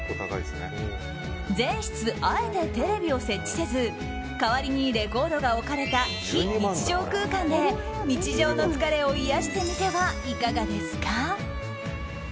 全室、あえてテレビを設置せず代わりにレコードが置かれた非日常空間で日常の疲れを癒やしてみてはいかがですか？